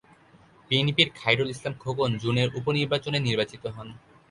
বিএনপির খায়রুল ইসলাম খোকন জুনের উপ-নির্বাচনে নির্বাচিত হন।